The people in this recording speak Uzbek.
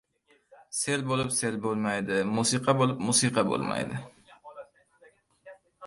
Sel bo‘lib sel bo‘lmaydi, musiqa bo‘lib musiqa bo‘lmaydi.